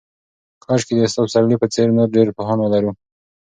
کاشکې د استاد پسرلي په څېر نور ډېر پوهان ولرو.